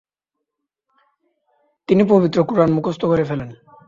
তিনি পবিত্র কুরআন মুখস্থ করে ফেলেন ।